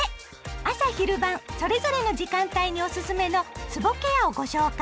朝・昼・晩それぞれの時間帯におすすめのつぼケアをご紹介。